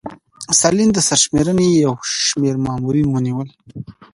ستالین د سرشمېرنې یو شمېر مامورین ونیول